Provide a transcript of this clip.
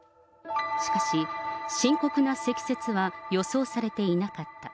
しかし、深刻な積雪は予想されていなかった。